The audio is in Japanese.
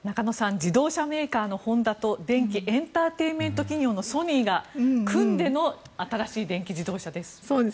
自動車メーカーのホンダと電機・エンターテインメント企業のソニーが組んでの新しい電気自動車です。